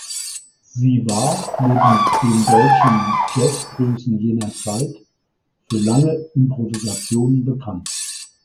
Sie war (neben den deutschen Jazzgrößen jener Zeit) für lange Improvisationen bekannt.